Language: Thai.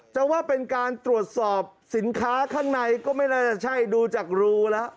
จะว่าเป็นการตรวจสอบสินค้าข้างในก็ไม่น่าจะใช่ดูจากรูแล้ว